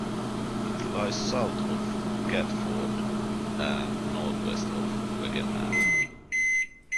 It lies south of Catford and north west of Beckenham.